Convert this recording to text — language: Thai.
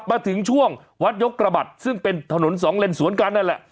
มาถึงช่วงวัดยกกระบัดซึ่งเป็นถนนสองเลนสวนกันนั่นแหละ